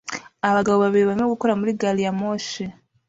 Abagabo babiri barimo gukora muri gari ya moshi